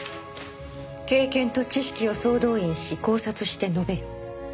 「経験と知識を総動員し考察して述べよ」